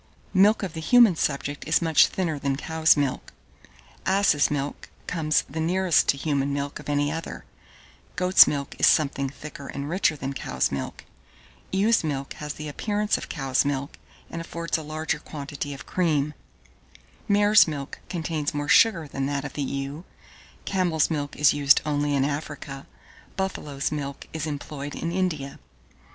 1613. Milk of the human subject is much thinner than cow's milk; Ass's milk comes the nearest to human milk of any other; Goat's milk is something thicker and richer than cow's milk; Ewe's milk has the appearance of cow's milk, and affords a larger quantity of cream; Mare's milk contains more sugar than that of the ewe; Camel's milk is used only in Africa; Buffalo's milk is employed in India.